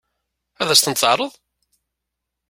Ad sent-t-teɛṛeḍ?